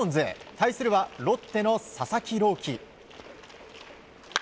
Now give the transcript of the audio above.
対するはロッテの佐々木朗希。